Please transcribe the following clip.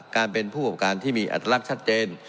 การเป็นผู้ประกอบการที่มีอัตลักษณ์ชัดเจน